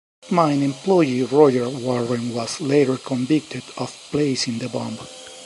Mine employee Roger Warren was later convicted of placing the bomb.